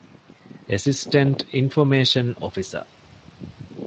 އެެސިސްޓެންޓް އިންފޮމޭޝަން އޮފިސަރ